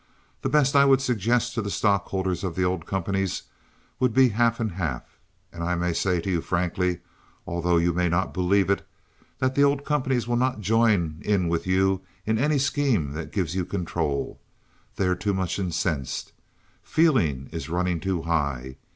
The best I would suggest to the stockholders of the old companies would be half and half. And I may say to you frankly, although you may not believe it, that the old companies will not join in with you in any scheme that gives you control. They are too much incensed. Feeling is running too high.